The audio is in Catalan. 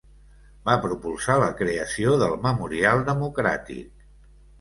Va propulsar la creació del Memorial Democràtic.